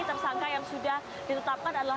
masuk ke ruang penyidik dirinya membantah